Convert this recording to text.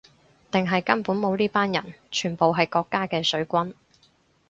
定係根本冇呢班人，全部係國家嘅水軍